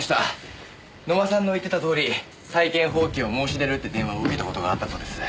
野間さんの言ってたとおり債権放棄を申し出るって電話を受けた事があったそうです。